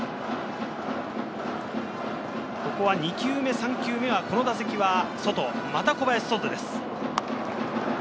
ここは２球目、３球目はこの打席は外、また小林、外です。